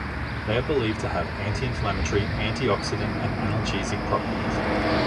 They are believed to have anti-inflammatory, antioxidant, and analgesic properties.